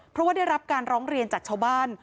เพราะว่าได้รับการร้องเรียนจากชาวบ้าน